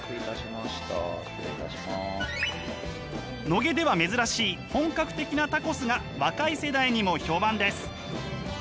野毛では珍しい本格的なタコスが若い世代にも評判です。